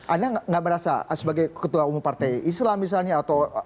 anda nggak merasa sebagai ketua umum partai islam misalnya atau